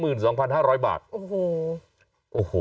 เบื้องต้น๑๕๐๐๐และยังต้องมีค่าสับประโลยีอีกนะครับ